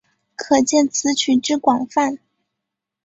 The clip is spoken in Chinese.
可见此曲之广泛。